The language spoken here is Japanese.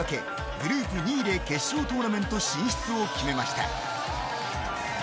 グループ２位で決勝トーナメント進出を決めました。